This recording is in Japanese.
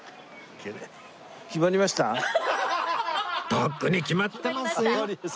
とっくに決まってますよ！